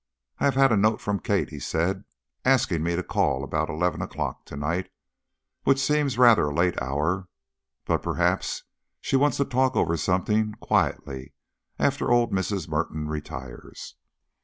"I have had a note from Kate," he said, "asking me to call about eleven o'clock to night, which seems rather a late hour, but perhaps she wants to talk over something quietly after old Mrs. Merton retires."